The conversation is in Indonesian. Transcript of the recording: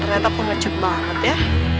ternyata gue ngecut banget ya